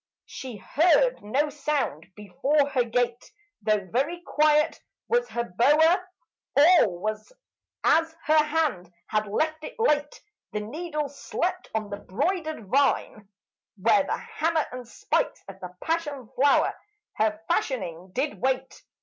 She heard no sound before her gate, Though very quiet was her bower. All was as her hand had left it late: The needle slept on the broidered vine, Where the hammer and spikes of the passion flower Her fashioning did wait.